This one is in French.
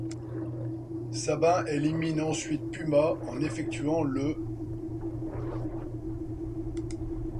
Sabin élimine ensuite Puma en effectuant le '.